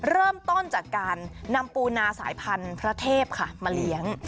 เริ่มต้นจากการนำปูนาสายพันธุ์พระเทพค่ะมาเลี้ยง